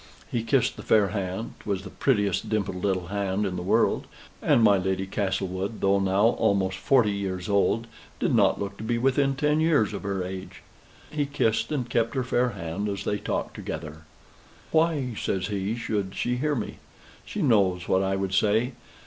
He kissed the fair hand ('twas the prettiest dimpled little hand in the world, and my Lady Castlewood, though now almost forty years old, did not look to be within ten years of her age). He kissed and kept her fair hand, as they talked together. "Why," says he, "should she hear me? She knows what I would say.